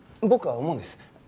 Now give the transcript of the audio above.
僕は思うんです。